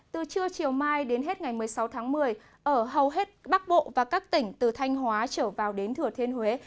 từ trưa chiều mai đến hết ngày một mươi sáu tháng một mươi ở hầu hết bắc bộ và các tỉnh từ thanh hóa trở vào đến thừa thiên huế